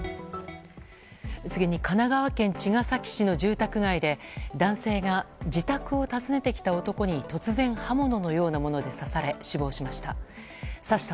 次に神奈川県茅ヶ崎市の住宅街で男性が自宅を訪ねてきた男に突然、刃物のようなもので刺され死亡しました。